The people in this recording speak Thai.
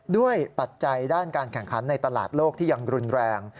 ปัจจัยด้านการแข่งขันในตลาดโลกที่ยังรุนแรง